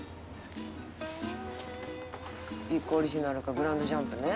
「『ビッグオリジナル』か『グランドジャンプ』ね」